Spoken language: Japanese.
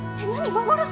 幻？